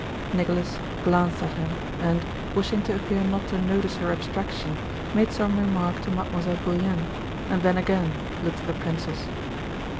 Nicholas glanced at her and, wishing to appear not to notice her abstraction, made some remark to Mademoiselle Bourienne and then again looked at the princess.